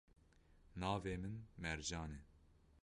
Navê min Mercan e.